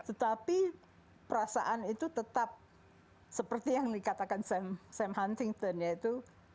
jadi perasaan itu tetap seperti yang dikatakan sam huntington yaitu